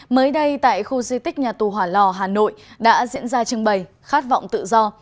mới đây tại khu di tích nhà tù hỏa lò hà nội đã diễn ra trưng bày khát vọng tự do